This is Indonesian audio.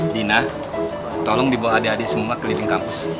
dina tolong dibawa adik adik semua keliling kampus